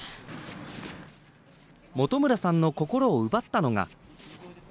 元村さんの心を奪ったのが。